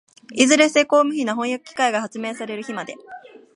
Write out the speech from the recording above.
いずれ精巧無比な飜訳機械が発明される日まで、